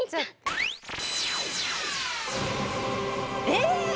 えっ！？